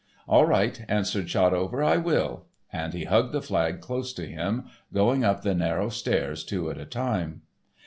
"All right," answered Shotover, "I will," and he hugged the flag close to him, going up the narrow stairs two at a time.